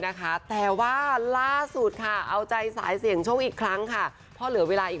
นะคะแหละสุดค่ะเอาใจสายเสี่ยงโชคอีกครั้งค่ะ